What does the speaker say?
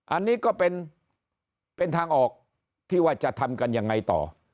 อันนี้ก็เป็นทางออกที่ว่าจะทำกันยังไงต่อ